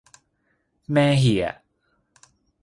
แม่เหียะ